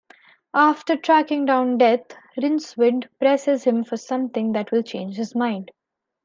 After tracking down Death, Rincewind presses him for something that will change his mind.